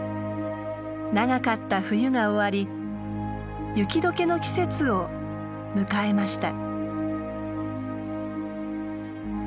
長かった冬が終わり雪解けの季節を迎えました。